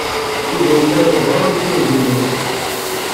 Yuba yella yebɣa assireg-inu.